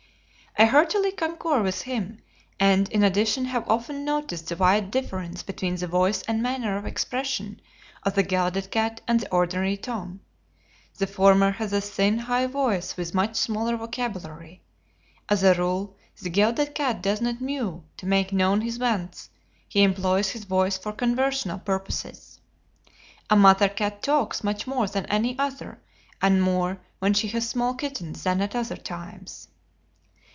I heartily concur with him, and in addition have often noticed the wide difference between the voice and manner of expression of the gelded cat and the ordinary tom. The former has a thin, high voice with much smaller vocabulary. As a rule, the gelded cat does not "mew" to make known his wants, but employs his voice for conversational purposes. A mother cat "talks" much more than any other, and more when she has small kittens than at other times.